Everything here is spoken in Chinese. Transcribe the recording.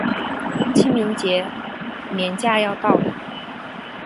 清明节连假要到了